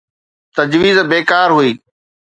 تجويز بيڪار هئي.